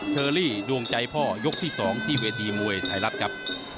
เชอรี่ดวงใจพ่อยกที่๒ที่เวทีมวยไทยรัฐครับ